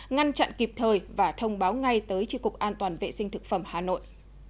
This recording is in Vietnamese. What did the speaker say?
ngăn chặn kịp thời và thông báo ngay tới tri cục an toàn vệ sinh thực phẩm hà nội